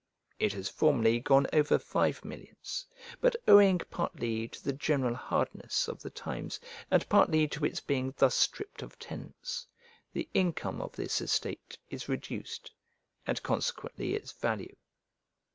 It has formerly gone over five millions, but owing, partly to the general hardness of the times, and partly to its being thus stripped of tenants, the income of this estate is reduced, and consequently its value.